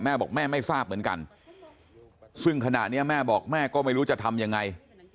แม่บอกแม่ไม่ทราบเหมือนกันซึ่งขณะนี้แม่บอกแม่ก็ไม่รู้จะทำยังไง